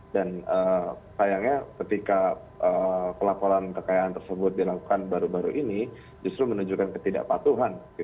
sayangnya ketika pelaporan kekayaan tersebut dilakukan baru baru ini justru menunjukkan ketidakpatuhan